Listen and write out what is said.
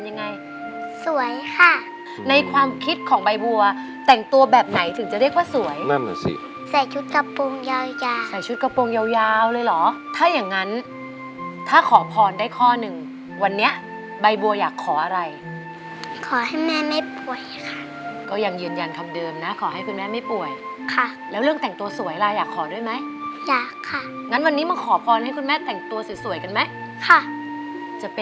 ในความคิดของใบบัวแต่งตัวแบบไหนถึงจะเรียกว่าสวยนั่นแหละสิใส่ชุดกระโปรงยาวใส่ชุดกระโปรงยาวเลยหรอถ้าอย่างนั้นถ้าขอพรได้ข้อหนึ่งวันนี้ใบบัวอยากขออะไรขอให้แม่ไม่ป่วยค่ะก็ยังยืนยันคำเดิมนะขอให้คุณแม่ไม่ป่วยค่ะแล้วเรื่องแต่งตัวสวยอะไรอยากขอด้วยไหมอยากค่ะงั้นวันนี้มาขอพรให้คุณแม